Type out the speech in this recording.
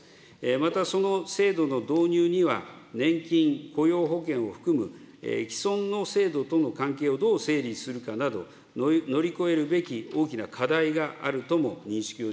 またその制度の導入には、年金、雇用保険を含む既存の制度との関係をどう整理するかなど、乗り越えるべき大きな課題があるとも認識を